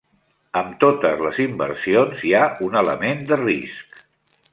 Amb totes les inversions, hi ha un element de risc.